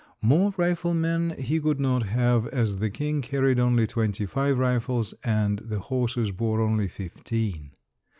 More rifle men he could not have, as the King carried only twenty five rifles and the horses bore only fifteen.